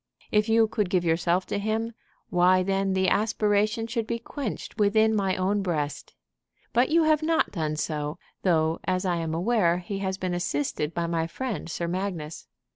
If you could give yourself to him, why then the aspiration should be quenched within my own breast. But you have not done so, though, as I am aware, he has been assisted by my friend Sir Magnus.